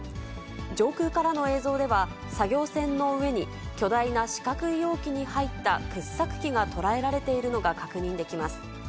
上空からの映像では、作業船の上に巨大な四角い容器に入った掘削機が捉えられているのが確認できます。